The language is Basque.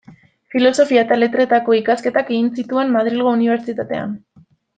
Filosofia eta letretako ikasketak egin zituen Madrilgo Unibertsitatean.